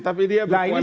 tapi dia berkualitas